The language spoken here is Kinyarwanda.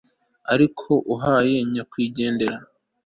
Ariko uhaye nyakwigendera